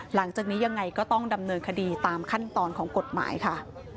หลังจากนี้ยังไงก็ต้องดำเนินคดีตามขั้นตอนของกฎหมายค่ะ